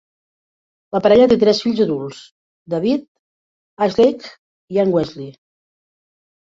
La parella té tres fills adults: David, Ashleigh i Anne-Wesley.